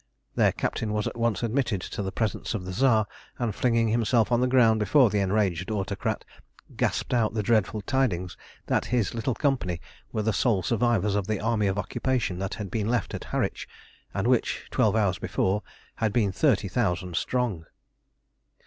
Their captain was at once admitted to the presence of the Tsar, and, flinging himself on the ground before the enraged Autocrat, gasped out the dreadful tidings that his little company were the sole survivors of the army of occupation that had been left at Harwich, and which, twelve hours before, had been thirty thousand strong.